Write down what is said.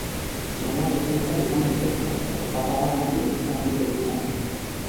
Trumoi-ekaitzak izan daitezke, eta zaparrada handiak, zenbait lekutan.